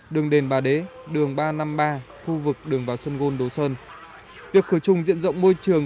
đường đền bà đế đường ba trăm năm mươi ba khu vực đường vào sơn gôn đồ sơn việc khử trùng diện rộng môi trường